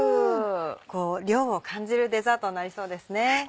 こう涼を感じるデザートになりそうですね。